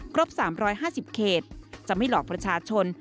ครบ๓๕๐เขตจะไม่หลอกประชาชน